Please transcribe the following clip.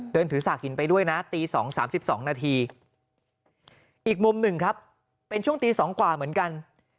เดินถือสากหินไปด้วยนะตี๒๓๒นาทีอีกมุมหนึ่งครับเป็นช่วงตี๒กว่าเหมือนกัน